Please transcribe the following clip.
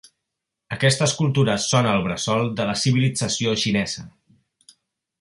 Aquestes cultures són el bressol de la civilització xinesa.